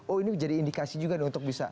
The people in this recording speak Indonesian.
oh ini jadi indikasi juga untuk bisa